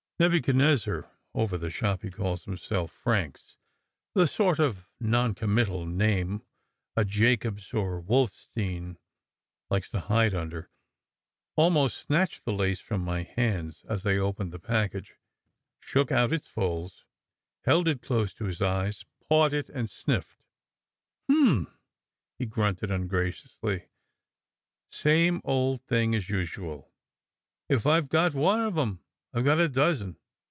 Nebuchadnezzar (over the shop he calls himself Franks, the sort of noncommittal name a Jacobs or Wolfstein likes to hide under) almost snatched the lace from my hands as I opened the package, shook out its folds, held it close to his eyes, pawed it, and sniffed. "Humph!" he grunted ungraciously. "Same old thing as usual. If I ve got one of em, I re got a dozen.